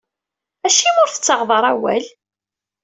Acimi ur tettaɣeḍ ara awal?